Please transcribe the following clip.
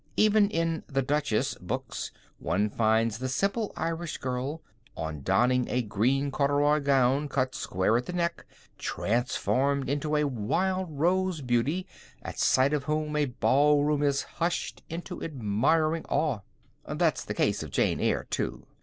Even in the "Duchess" books one finds the simple Irish girl, on donning a green corduroy gown cut square at the neck, transformed into a wild rose beauty, at sight of whom a ball room is hushed into admiring awe. There's the case of jane Eyre, too.